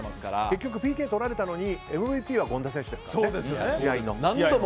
結局ＰＫとられたのに試合のＭＶＰは権田選手ですからね。